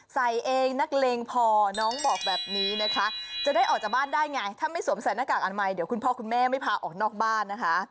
ใส่เองนักเลงพอน้องบอกแบบนี้นะคะจะได้ออกจากบ้านได้ไงถ้าไม่สวมใส่หน้ากากอนามัยเดี๋ยวคุณพ่อคุณแม่ไม่พาออกนอกบ้านนะคะ